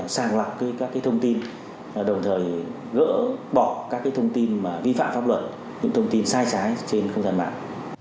sàng lọc các thông tin đồng thời gỡ bỏ các thông tin vi phạm pháp luật những thông tin sai trái trên không gian mạng